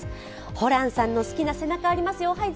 ホランさんの好きな背中ありますよ。